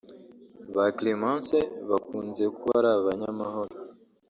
Ba Clémence bakunze kuba ari abanyamahoro